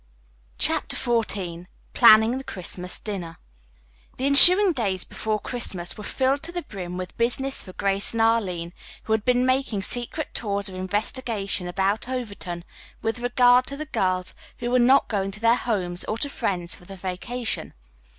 CHAPTER XIV PLANNING THE CHRISTMAS DINNER The ensuing days before Christmas were filled to the brim with business for Grace and Arline, who had been making secret tours of investigation about Overton with regard to the girls who were not going to their homes or to friends for the vacation.